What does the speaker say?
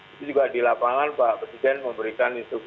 itu juga di lapangan pak presiden memberikan instruksi